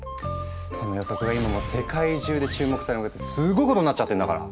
その予測が今もう世界中で注目されまくってすごいことになっちゃってるんだから。